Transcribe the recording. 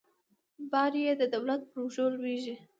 بار یې د دولت پر اوږو لویږي.